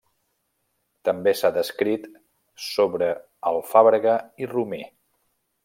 També s'ha descrit sobre alfàbrega i romer.